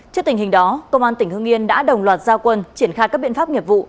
trước tình hình đó công an tỉnh hưng yên đã đồng loạt gia quân triển khai các biện pháp nghiệp vụ